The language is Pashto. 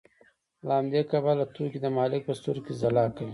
له همدې کبله توکي د مالک په سترګو کې ځلا کوي